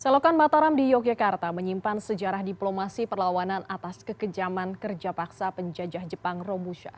selokan mataram di yogyakarta menyimpan sejarah diplomasi perlawanan atas kekejaman kerja paksa penjajah jepang robusha